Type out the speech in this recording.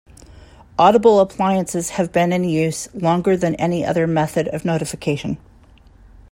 Audible appliances have been in use longer than any other method of notification.